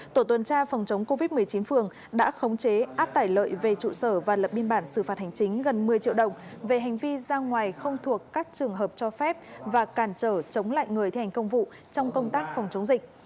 tổ tuần tra phòng chống covid một mươi chín phường đã khống chế áp tải lợi về trụ sở và lập biên bản xử phạt hành chính gần một mươi triệu đồng về hành vi ra ngoài không thuộc các trường hợp cho phép và càn trở chống lại người thi hành công vụ trong công tác phòng chống dịch